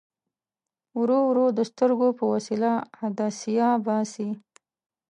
ورو ورو د سترګو په وسیله عدسیه باسي.